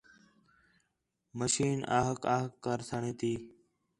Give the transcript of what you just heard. مشین آ ہِک ہِک کرسݨ تی